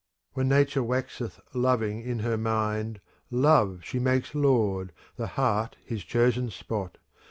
When Nature waxeth loving in her mind, * Love she makes Lord, the heart his chosen spot.